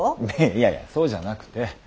いやいやそうじゃなくて。